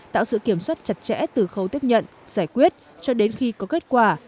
tạo sự kiểm soát chặt chẽ từ khâu tiếp nhận giải quyết cho đến khi có kết quả